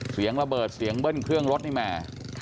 เสียงระเบิดเสียงเบิ้ลเครื่องรถนี่แหม